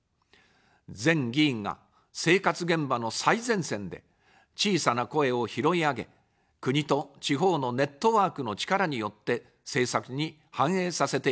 全議員が、生活現場の最前線で小さな声を拾い上げ、国と地方のネットワークの力によって政策に反映させていく。